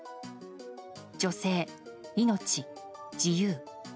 女性、命、自由。